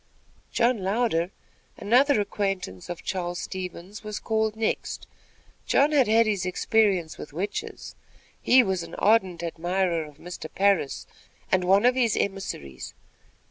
John Louder, another acquaintance of Charles Stevens, was next called. John had had his experience with witches. He was an ardent admirer of Mr. Parris, and one of his emissaries.